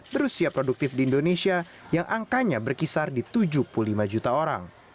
berusia produktif di indonesia yang angkanya berkisar di tujuh puluh lima juta orang